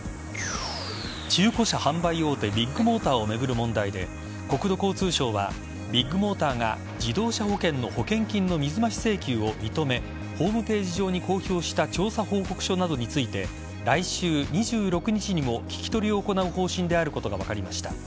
中古車販売大手ビッグモーターを巡る問題で国土交通省はビッグモーターが自動車保険の保険金の水増し請求を認めホームページ上に公表した調査報告書などについて来週２６日にも聞き取りを行う方針であることが分かりました。